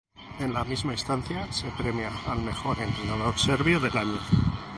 En la misma instancia se premia al Mejor Entrenador Serbio del Año.